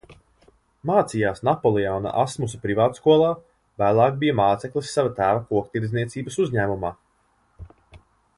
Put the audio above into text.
Mācījās Napoleona Asmusa privātskolā, vēlāk bija māceklis sava tēva koktirdzniecības uzņēmumā.